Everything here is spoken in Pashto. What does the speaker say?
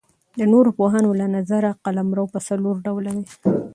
د نورو پوهانو له نظره قلمرو پر څلور ډوله دئ.